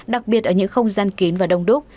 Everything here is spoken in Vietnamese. đặc biệt ở những không gian kín và đông đúc